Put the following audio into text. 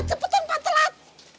cepetan pa telat